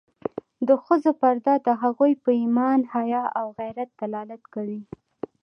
د ښځو پرده د هغوی په ایمان، حیا او غیرت دلالت کوي.